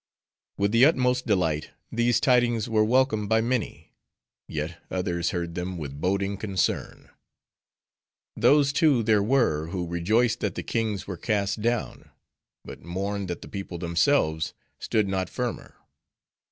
With the utmost delight, these tidings were welcomed by many; yet others heard them with boding concern. Those, too, there were, who rejoiced that the kings were cast down; but mourned that the people themselves stood not firmer.